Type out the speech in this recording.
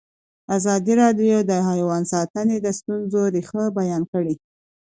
ازادي راډیو د حیوان ساتنه د ستونزو رېښه بیان کړې.